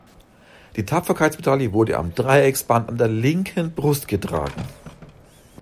Die Tapferkeitsmedaille wurde am Dreiecksband an der linken Brust getragen.